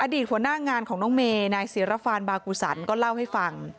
หัวหน้างานของน้องเมนายศิรฟานบากุสันก็เล่าให้ฟัง